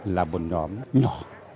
là một nhóm nhỏ